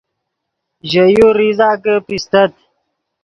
ژے یو ریزہ کہ پیستت